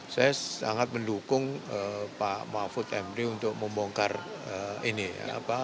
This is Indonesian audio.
saya sangat mendukung pak mahfud md untuk membongkar ini ya